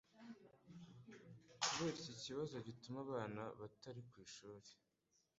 Kubera iki kibazo gituma abana batari ku ishuri,